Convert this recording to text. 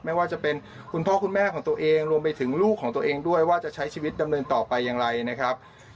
ไม่ว่าจะเป็นคุณพ่อคุณแม่ของตัวเองรวมไปถึงลูกของตัวเองด้วยว่าจะใช้ชีวิตดำเนินต่อไปอย่างไรนะครับ